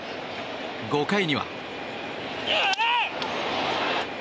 ５回には。